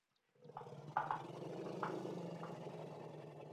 母骆氏。